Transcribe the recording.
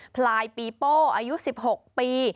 พลายปีโป้อายุ๑๖ปี